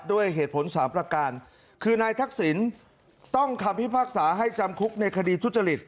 ด้วยเหตุผลสามประการคือนายทักษิณต้องคำพิพากษาให้จำคุกในคดีทุจริต